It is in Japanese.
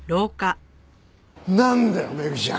なんだよメグちゃん！